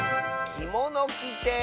「きものきて」